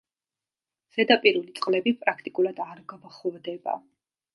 ზედაპირული წყლები პრაქტიკულად არ გვხვდება.